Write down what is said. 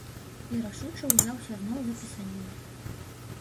І рашуча ўзяўся зноў за пісаніну.